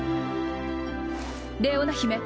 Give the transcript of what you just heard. レオナ姫。